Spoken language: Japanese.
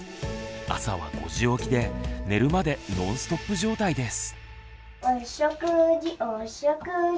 朝は５時起きで寝るまでノンストップ状態です。